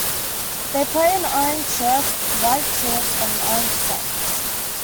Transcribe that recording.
They play in orange shirts, white shorts and orange socks.